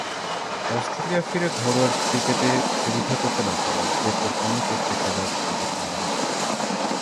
Australia ফিরে ঘরোয়া ক্রিকেটে সুবিধা করতে না পারায় এরপর কোন টেস্টে খেলার সুযোগ পাননি।